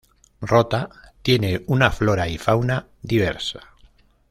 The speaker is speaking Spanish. Rota tiene una flora y fauna diversa.